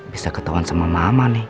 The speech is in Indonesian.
bisa ketahuan sama mama nih